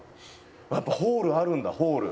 やっぱホールあるんだホール。